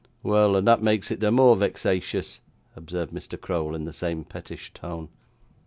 'Well; and that makes it the more vexatious,' observed Mr. Crowl, in the same pettish tone.